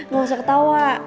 gak usah ketawa